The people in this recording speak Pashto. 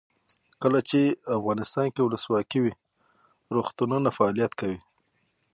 کله چې افغانستان کې ولسواکي وي روغتونونه فعالیت کوي.